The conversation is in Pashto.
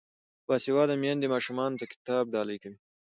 باسواده میندې ماشومانو ته کتاب ډالۍ کوي.